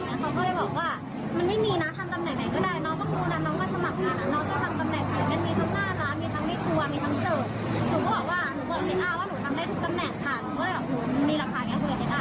มันเป็นเรื่องของตัวบุคคล